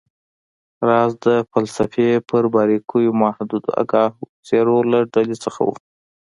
راز د فلسفې پر باریکیو د محدودو آګاهو څیرو له ډلې نه و